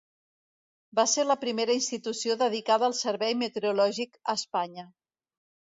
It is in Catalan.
Va ser la primera institució dedicada al servei meteorològic a Espanya.